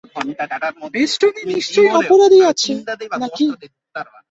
বোস্টনে নিশ্চয়ই অপরাধী আছে, নাকি?